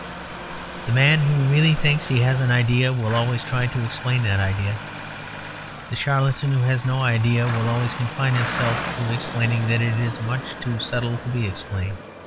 The man who really thinks he has an idea will always try to explain that idea. The charlatan who has no idea will always confine himself to explaining that it is much too subtle to be explained.